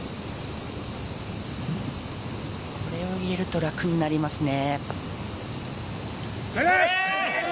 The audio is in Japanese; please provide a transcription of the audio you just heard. これを入れると楽になりますね。